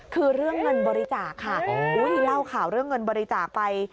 คือเรื่องเงินบริจาคค่ะเล่าข่าวเรื่องเงินบริจาคไป